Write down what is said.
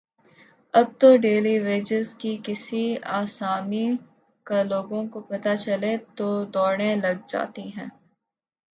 اب تو daily wages کی کسی آسامی کا لوگوں کو پتہ چلے تو دوڑیں لگ جاتی ہیں۔